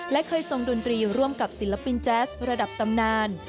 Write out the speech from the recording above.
และเคยทรงดนตรีร่วมกับศิลปินแจ๊สระดับตำนาน